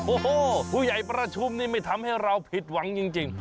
โอ้โหผู้ใหญ่ประชุมนี่ไม่ทำให้เราผิดหวังจริง